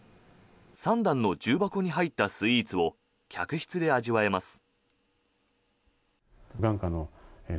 ３段の重箱に入ったスイーツを客室で味わえます。